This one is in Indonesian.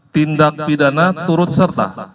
tindak pidana turut serta